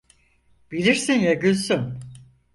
Bilirsin ya Gülsüm!